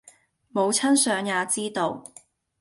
母親想也知道；